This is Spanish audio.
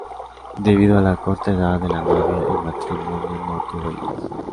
Debido a la corta edad de la novia, el matrimonio no tuvo hijos.